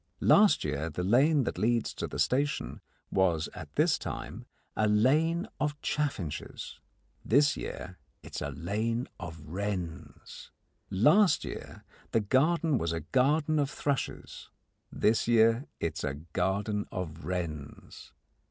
Last year the lane that leads to the station was at this time a lane of chaffinches: this year it is a lane of wrens. Last year the garden was a garden of thrushes: this year it is a garden of wrens.